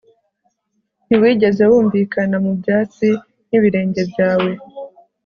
Ntiwigeze wumvikana mu byatsi nibirenge byawe